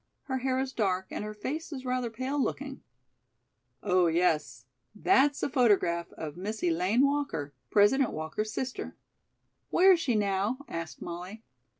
Her hair is dark and her face is rather pale looking." "Oh, yes. That's a photograph of Miss Elaine Walker, President Walker's sister." "Where is she now?" asked Molly.